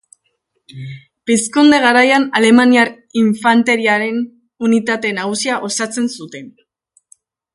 Pizkunde garaian, alemaniar infanteriaren unitate nagusia osatzen zuten.